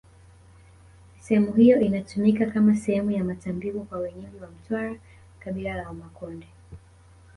sehemu hiyo inatumika kama sehemu ya matambiko kwa wenyeji wa mtwara kabila la wamakonde